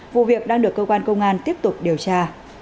vụ việc đang được cơ quan công an tiếp tục điều tra